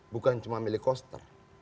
bukan cuma milik koster